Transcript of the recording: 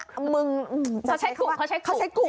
เค้าใช้กุ